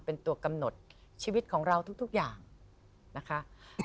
เป็นตัวกำหนดชีวิตของเราทุกอย่างนะคะ